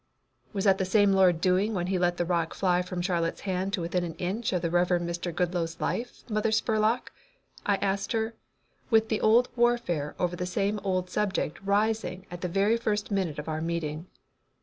"What was that same Lord doing when he let the rock fly from Charlotte's hand to within an inch of the Reverend Mr. Goodloe's life, Mother Spurlock?" I asked her, with the old warfare over the same old subject rising at the very first minute of our meeting.